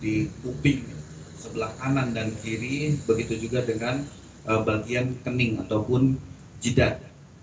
di kuping sebelah kanan dan kiri begitu juga dengan bagian kening ataupun jidat